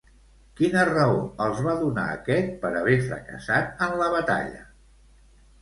Quina raó els va donar aquest per haver fracassat en la batalla?